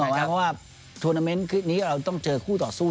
ก็ว่าทวนาเมนต์นี้เราต้องเจอคู่ต่อสู้